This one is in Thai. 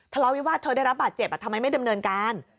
ทะเลาวิวาสเธอได้รับบาดเจ็บทำไมไม่ดำเนินการ